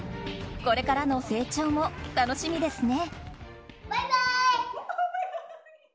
これからの成長も楽しみですね。